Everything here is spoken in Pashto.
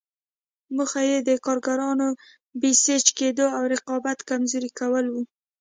موخه یې د کارګرانو بسیج کېدو او رقابت کمزوري کول وو.